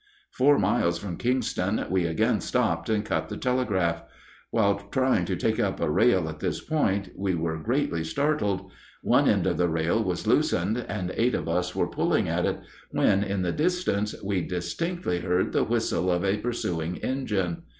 Four miles from Kingston we again stopped and cut the telegraph. While trying to take up a rail at this point we were greatly startled. One end of the rail was loosened, and eight of us were pulling at it, when in the distance we distinctly heard the whistle of a pursuing engine.